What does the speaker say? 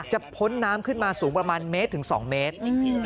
พ้นน้ำขึ้นมาสูงประมาณเมตรถึง๒เมตร